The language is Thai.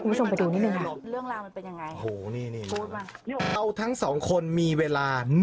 คุณไปดูนิดนึงเรื่องราวมันเป็นยังไงทั้งสองคนมีเวลา